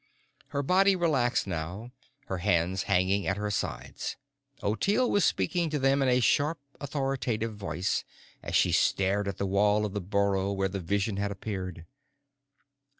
Her body relaxed now, her hands hanging at her sides, Ottilie was speaking to them in a sharp, authoritative voice as she stared at the wall of the burrow where the vision had appeared.